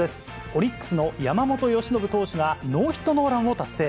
オリックスの山本由伸投手がノーヒットノーランを達成。